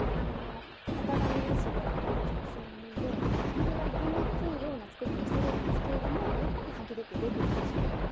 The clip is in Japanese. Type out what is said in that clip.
型紙なしで直線縫いではぎれが出にくいような作りにはしてるんですけれどもやっぱりはぎれって出てきてしまって。